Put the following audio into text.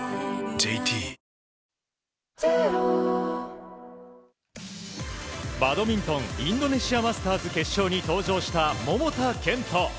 ＪＴバドミントンインドネシアマスターズ決勝に登場した桃田賢斗。